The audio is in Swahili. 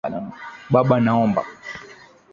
Baba naomba.